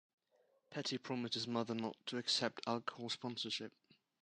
Petty promised his mother not to accept alcohol sponsorship.